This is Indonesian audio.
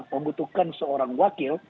membutuhkan seorang wakil